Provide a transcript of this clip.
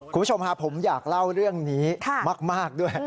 คุณผู้ชมฮะผมอยากเล่าเรื่องนี้มากด้วย